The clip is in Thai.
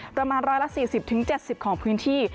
ประมาณร้อยละ๔๐๗๐ของพื้นที่